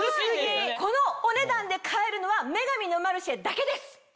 このお値段で買えるのは『女神のマルシェ』だけです。